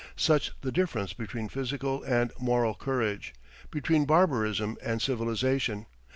Such the difference between physical and moral courage, between barbarism and civilization.